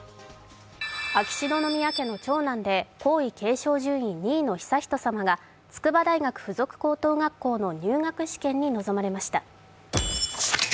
秋篠宮家の長男で皇位継承順位２位の悠仁さまが筑波大学附属高等学校の入学試験に臨まれました。